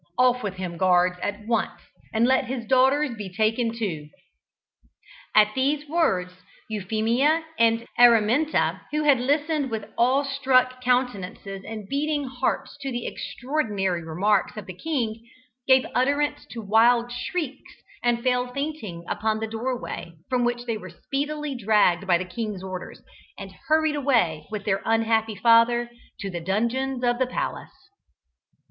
Off with him, guards, at once; and let his daughters be taken too!" At these words Euphemia and Araminta, who had listened with awe struck countenances and beating hearts to the extraordinary remarks of the king, gave utterance to wild shrieks, and fell fainting upon the doorway, from which they were speedily dragged by the king's orders, and hurried away, with their unhappy father, to the dungeons of the palace.